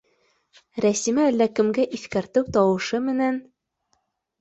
Рәсимә әллә кемгә иҫкәртеү тауышы менән: